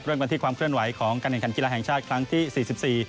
เริ่มกันที่ความเคลื่อนไหวของการแข่งขันกีฬาแห่งชาติครั้งที่สี่สิบสี่